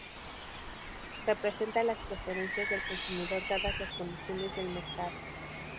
Representa las preferencias del consumidor dadas las condiciones del mercado.